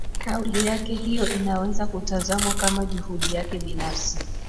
Kauli yake hiyo inaweza kutazamwa kama juhudi yake binafsi